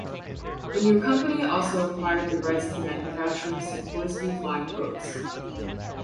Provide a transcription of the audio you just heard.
The new company also acquired the rights to manufacturing Sikorsky flying boats.